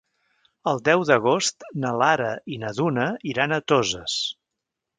El deu d'agost na Lara i na Duna iran a Toses.